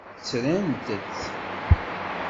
Ttrent-t.